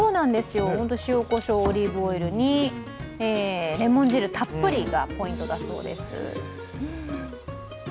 本当に塩こしょう、オリーブオイルにレモン汁たっぷりがポイントだそうです。